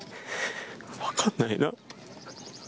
分かんないな。